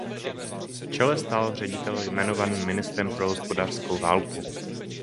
V čele stál ředitel jmenovaný ministrem pro hospodářskou válku.